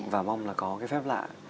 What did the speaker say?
và mong là có cái phép lạ